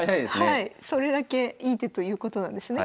それだけいい手ということなんですね。